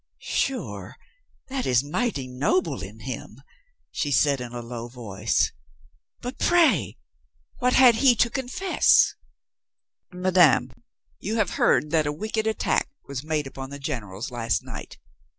"Sure, that is mighty noble in him," she said in a low voice. "But, pray, what had he to confess ?" "Madame, you have heard that a wicked attack was made upon the generals last night.